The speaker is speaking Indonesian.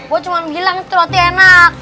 gue cuma bilang itu roti enak